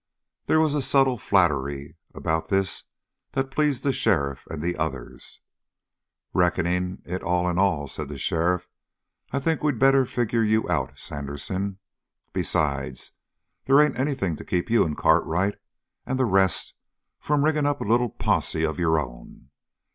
There was a subtle flattery about this that pleased the sheriff and the others. "Reckoning it all in all," said sheriff, "I think we better figure you out, Sandersen. Besides they ain't anything to keep you and Cartwright and the rest from rigging up a little posse of your own.